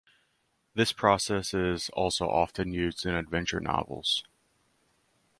This process is also often used in adventure novels.